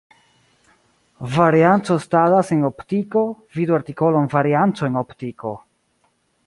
Varianco estadas en optiko, vidu artikolon varianco en optiko.